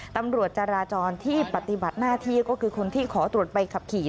ตำรวจจราจรที่ปฏิบัติหน้าที่ก็คือคนที่ขอตรวจใบขับขี่